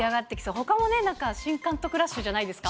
ほかもね、新監督ラッシュじゃないですか。